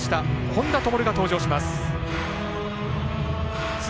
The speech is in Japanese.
本多灯が登場します。